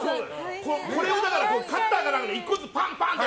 これをカッターか何かで１個ずつパン！って。